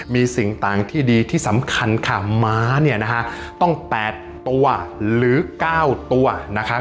มีสิ่งต่างที่ดีที่สำคัญค่ะม้าเนี่ยนะฮะต้อง๘ตัวหรือ๙ตัวนะคะ